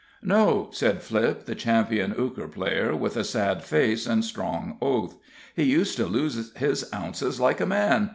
"No," said Flipp, the champion euchre player, with a sad face and a strong oath. "He used to lose his ounces like a man.